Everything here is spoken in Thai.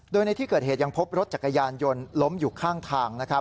โดยในที่เกิดเหตุยังพบรถจักรยานยนต์ล้มอยู่ข้างทาง